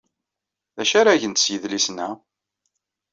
D acu ara gent s yidlisen-a?